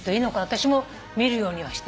私も見るようにはしてる。